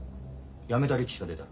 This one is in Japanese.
やめた力士が出たら？